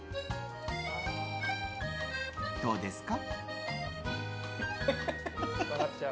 どうですか？